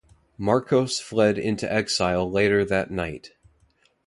Marcos fled into exile later that night.